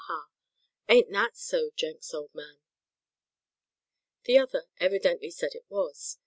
ha! Ain't that so, Jenks, old man?" The other evidently said it was.